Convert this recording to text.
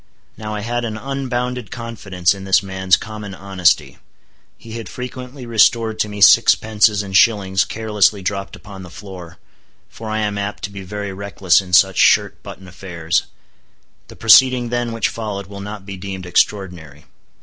Now I had an unbounded confidence in this man's common honesty. He had frequently restored to me sixpences and shillings carelessly dropped upon the floor, for I am apt to be very reckless in such shirt button affairs. The proceeding then which followed will not be deemed extraordinary.